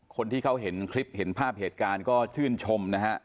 คนที่เขาเห็นคลิปเห็นภาพเหตุการณ์ก็ชื่นชมนะฮะ